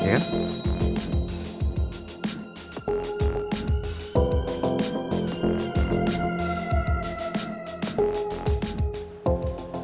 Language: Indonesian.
terima kasih pak